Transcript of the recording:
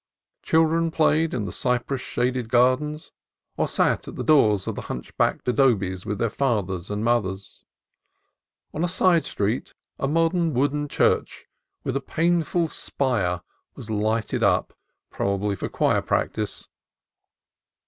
Children played in the cypress shaded gardens, or sat at the doors of the hunchbacked adobes with their fathers and mothers. On a side street a modern wooden church with a painful spire was lighted up, probably for choir practice.